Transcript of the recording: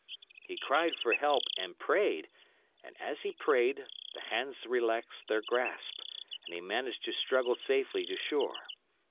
He cried for help and prayed, and, as he prayed, the hands relaxed their grasp, and he managed to struggle safely to shore.